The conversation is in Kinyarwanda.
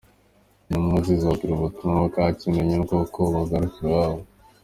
Intumwa zibabwira ubutumwa bwa Kimenyi bw’uko bagaruka iwabo.